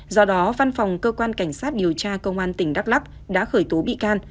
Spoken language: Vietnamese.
do đó văn phòng cơ quan cảnh sát điều tra công an tỉnh đắk lắc đã khởi tố bị can